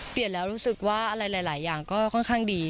เปลี่ยนแล้วรู้สึกว่าอะไรหลายอย่างก็ค่อนข้างดี